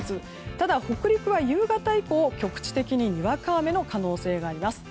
ただ北陸は夕方以降、局地的ににわか雨の可能性があります。